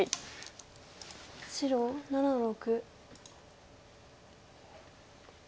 白７の六。